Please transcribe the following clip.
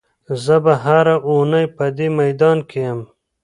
زه به هره اونۍ په دې میدان کې یم.